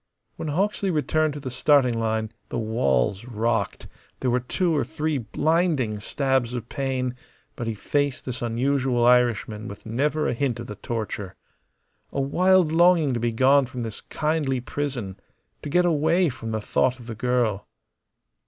When Hawksley returned to the starting line the walls rocked, there were two or three blinding stabs of pain; but he faced this unusual Irishman with never a hint of the torture. A wild longing to be gone from this kindly prison to get away from the thought of the girl.